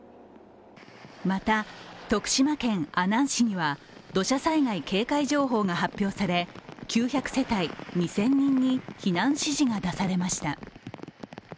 また徳島県阿南市には土砂災害警戒情報が発表され９００世帯、２０００人に避難指示が出されました。